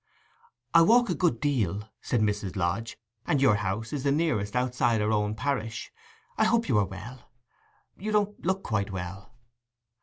'I walk a good deal,' said Mrs. Lodge, 'and your house is the nearest outside our own parish. I hope you are well. You don't look quite well.